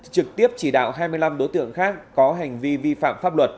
trực tiếp chỉ đạo hai mươi năm đối tượng khác có hành vi vi phạm pháp luật